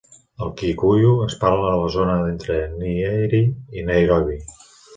El kikuyu es parla a la zona entre Nyeri i Nairobi.